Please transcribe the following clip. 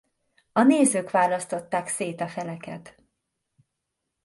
A nézők választották szét a feleket.